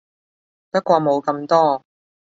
不過冇咁多